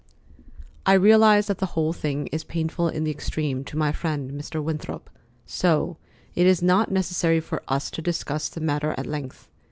"I realize that the whole thing is painful in the extreme to my friend, Mr. Winthrop, so it is not necessary for us to discuss the matter at length.